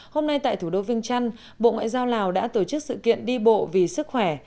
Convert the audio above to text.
hôm nay tại thủ đô viên trăn bộ ngoại giao lào đã tổ chức sự kiện đi bộ vì sức khỏe